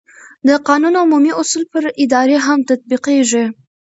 د قانون عمومي اصول پر ادارې هم تطبیقېږي.